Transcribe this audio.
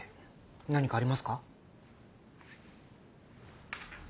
何かありますか？